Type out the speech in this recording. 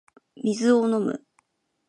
水を飲む